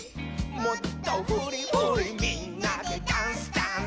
「もっとフリフリみんなでダンスダンス！」